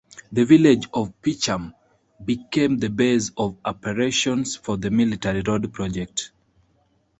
The village of Peacham became the base of operations for the military road project.